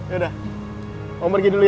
yaudah om pergi dulu ya